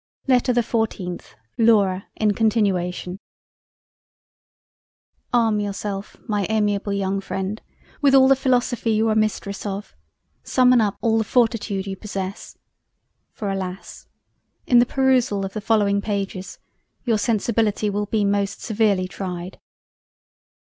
LETTER the 14th LAURA in continuation Arm yourself my amiable young Freind with all the philosophy you are Mistress of; summon up all the fortitude you possess, for alas! in the perusal of the following Pages your sensibility will be most severely tried.